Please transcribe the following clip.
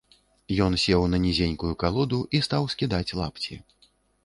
Ён сеў на нізенькую калоду і стаў скідаць лапці.